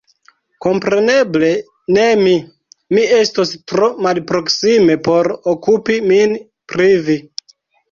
Kompreneble ne mi ; mi estos tro malproksime por okupi min pri vi.